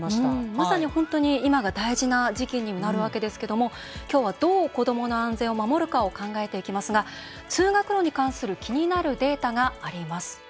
まさに本当に今が大事な時期になるわけですがきょうは、どう子どもの安全を守るのか考えていきますが通学路に関する気になるデータがあります。